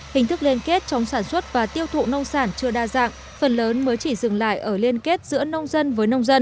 hình thức liên kết trong sản xuất và tiêu thụ nông sản chưa đa dạng phần lớn mới chỉ dừng lại ở liên kết giữa nông dân với nông dân